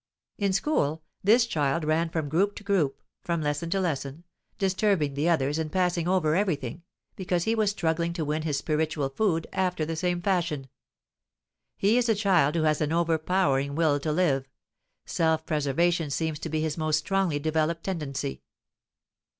In school, this child ran from group to group, from lesson to lesson, disturbing the others and passing over everything, because he was struggling to win his spiritual food after the same fashion. He is a child who has an overpowering will to live: self preservation seems to be his most strongly developed tendency.